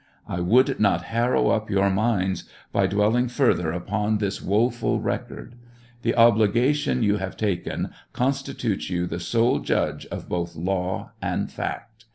I would not harrow up your minds by dwelling fur ther upon this woeful record. The obligation you have taken constitutes you TRIAL OP HENRY WIEZ. 803 the sole judge of both law and fact.